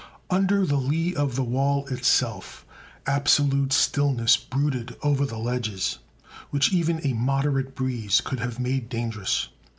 Under the lee of the wall itself absolute stillness brooded over ledges which even a moderate breeze could have made dangerous.